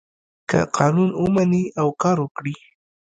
که قانون ومني او کار وکړي.